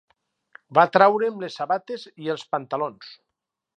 Va traure'm les sabates i els pantalons.